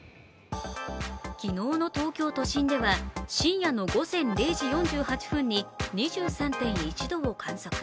昨日の東京都心では深夜の午前０時４８分に２３．１度を観測。